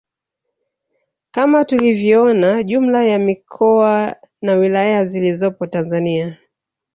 Kama tulivyoona jumla ya mikoa na wilaya zilizopo Tanzania